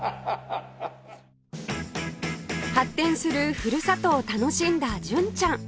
発展するふるさとを楽しんだ純ちゃん